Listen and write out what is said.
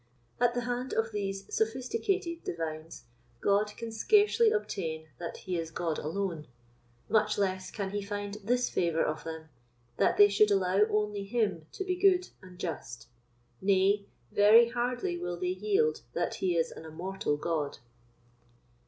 At the hands of these sophisticated Divines, God can scarcely obtain that he is God alone; much less can he find this favour of them, that they should allow only him to be good and just; nay, very hardly will they yield that he is an immortal God.